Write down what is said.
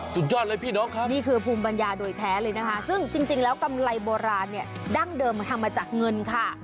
สุดยอดเลยพี่น้องครับนี่คือภูมิปัญญาโดยแท้เลยนะคะซึ่งจริงแล้วกำไรโบราณเนี่ยดั้งเดิมมันทำมาจากเงินค่ะ